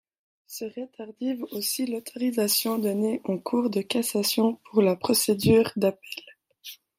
Serait tardive aussi l'autorisation donnée en Cour de cassation pour la procédure d'appel.